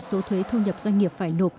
số thuế thu nhập doanh nghiệp phải nộp